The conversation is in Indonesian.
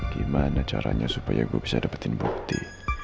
gimana caranya supaya gue bisa dapetin bukti